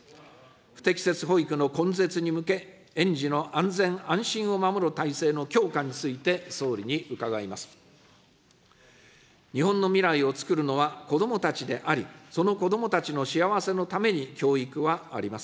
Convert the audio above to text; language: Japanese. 不適切保育の根絶に向け、園児の安全安心を守る体制の強化について総理に伺います。